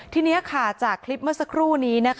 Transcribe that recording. ทีนี้จากคลิปเมื่อสักครู่นี้